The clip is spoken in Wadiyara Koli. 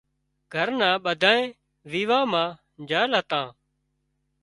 گھرنان ٻڌانئين ويوان مان جھل هتان